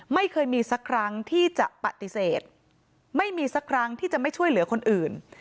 ไม่เคยมีสักครั้งที่จะปฏิเสธไม่มีสักครั้งที่จะไม่ช่วยเหลือคนอื่น